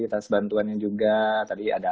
tas bantuannya juga tadi ada